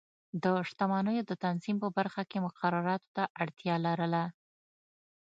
د شتمنیو د تنظیم په برخه کې مقرراتو ته اړتیا لرله.